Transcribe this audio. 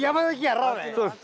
そうです。